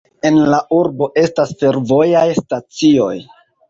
En la urbo estas fervojaj stacioj.